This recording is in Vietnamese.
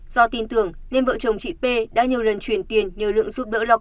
do tin tưởng nên vợ chồng chị p đã nhiều lần truyền tiền nhờ lượng giúp đỡ lo công